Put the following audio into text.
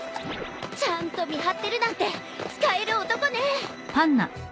ちゃんと見張ってるなんて使える男ね。